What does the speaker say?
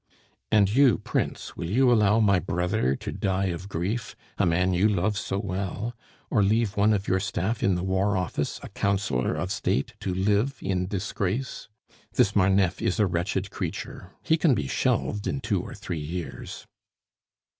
"And you, Prince, will you allow my brother to die of grief, a man you love so well; or leave one of your staff in the War Office, a Councillor of State, to live in disgrace. This Marneffe is a wretched creature; he can be shelved in two or three years."